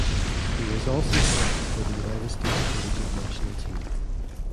He was also selected for the United States collegiate national team.